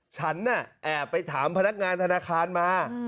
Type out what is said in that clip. ฉันน่ะแอบไปถามพนักงานธนาคารมา